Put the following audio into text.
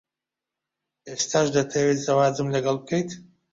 ئێستاش دەتەوێت زەواجم لەگەڵ بکەیت؟